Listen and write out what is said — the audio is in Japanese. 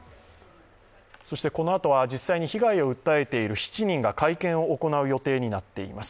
そしてこのあとは実際に被害を訴えている７人が会見を行う予定になっています。